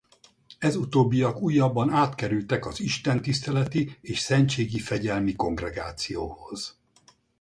Ez utóbbiak újabban átkerültek az Istentiszteleti és Szentségi Fegyelmi Kongregációhoz.